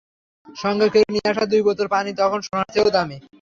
সঙ্গে করে নিয়ে আসা দুই বোতল পানি তখন সোনার চেয়েও দামি।